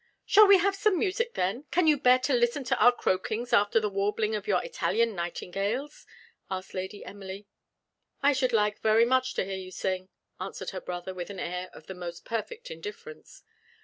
"Shall we have some music, then? Can you bear to listen to our croakings after the warbling of your Italian nightingales?" asked Lady Emily. "I should like very much to hear you sing," answered her brother, with an air of the most perfect indifference.